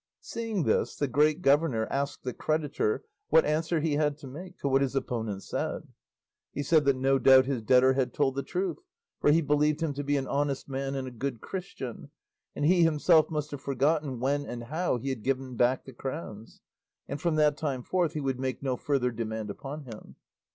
Seeing this the great governor asked the creditor what answer he had to make to what his opponent said. He said that no doubt his debtor had told the truth, for he believed him to be an honest man and a good Christian, and he himself must have forgotten when and how he had given him back the crowns; and that from that time forth he would make no further demand upon him.